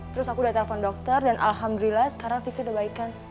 terus aku udah telepon dokter dan alhamdulillah sekarang vicky udah baikan